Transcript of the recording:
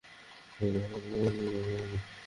প্রহরীদের ফাঁকি দিয়ে যাবে কীকরে?